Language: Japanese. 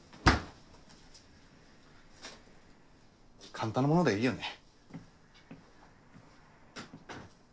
簡単なものでいいよね？